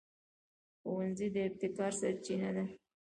ښوونځی د ابتکار سرچینه ده